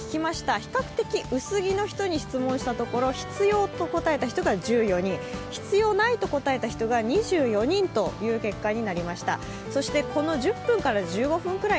比較的薄着の人に質問したところ必要と答えた人が１４人、必要ないと答えた人が２４人という今日の天気を教えて！